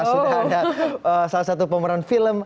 sudah ada salah satu pemeran film